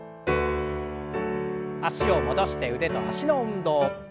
脚を戻して腕と脚の運動。